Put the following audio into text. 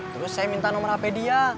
terus saya minta nomor hp dia